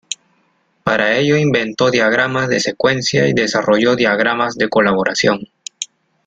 Para ello inventó diagramas de secuencia y desarrolló diagramas de colaboración.